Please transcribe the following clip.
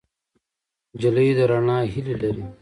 نجلۍ د رڼا هیلې لري.